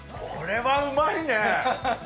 これはうまいね！